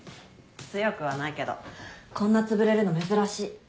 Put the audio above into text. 強くはないけどこんなつぶれるの珍しい。